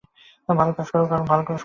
ভাল কাজ কর, কারণ ভাল কাজ করা ভাল।